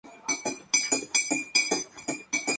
Su historia, sin embargo, es más larga.